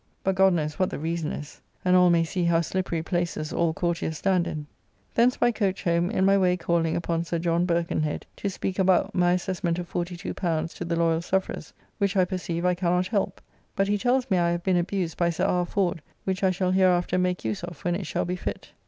But God knows what the reason is! and all may see how slippery places all courtiers stand in. Thence by coach home, in my way calling upon Sir John Berkenheade, to speak about my assessment of L42 to the Loyal Sufferers; which, I perceive, I cannot help; but he tells me I have been abused by Sir R. Ford, which I shall hereafter make use of when it shall be fit.